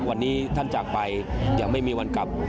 วันนี้ท่านจากไปยังไม่มีวันกลับ